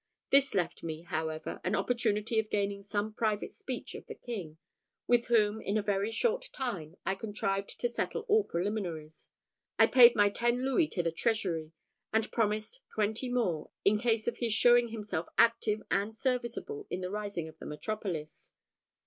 This left me, however, an opportunity of gaining some private speech of the king, with whom, in a very short time, I contrived to settle all preliminaries. I paid my ten louis into the treasury, and promised twenty more, in case of his showing himself active and serviceable in the rising of the metropolis.